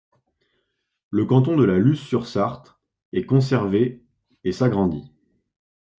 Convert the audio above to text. Le canton de La Suze-sur-Sarthe est conservé et s'agrandit.